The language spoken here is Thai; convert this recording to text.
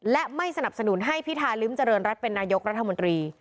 และไม่สนับสนุนให้พิธาริมเจริญรัฐเป็นนายกรัฐมนตรี